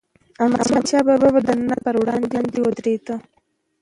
احمدشاه بابا به د ظلم پر وړاندې ودرید.